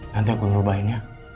nanti aku ngerubahinnya